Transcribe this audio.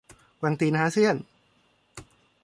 แกว่งตีนหาเสี้ยน